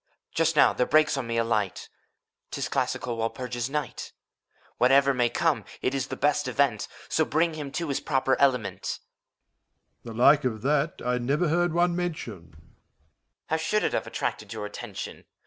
Just now — ^there breaks on me a light — 'T is Classical Walpurgis Night ; Whate'er may come, it is the best event. So bring him to his proper element! MEPHISTOPHELES. The like of that I never heard one mention. HOMUNCULUS. How should it have attracted your attention?